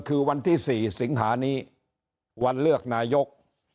คือวันที่๔สิงหานี้วันเลือกนายก